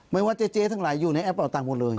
ไม่ว่าเจ๊ทั้งหลายอยู่ในแอปเป่าตังค์หมดเลย